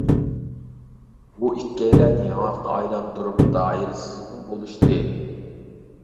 بۇ ئىككىيلەن ياڭاقنى ئايلاندۇرۇپ دائىرە سىزىپمۇ بولۇشتى.